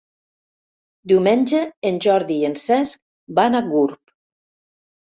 Diumenge en Jordi i en Cesc van a Gurb.